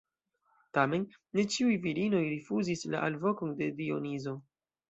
Tamen, ne ĉiuj virinoj rifuzis la alvokon de Dionizo.